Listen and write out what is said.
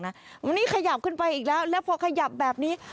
วันนี้ขยับขึ้นไปอีกแล้วแล้วพอขยับแบบนี้